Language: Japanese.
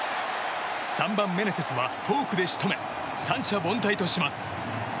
３番、メネセスはフォークで仕留め、三者凡退とします。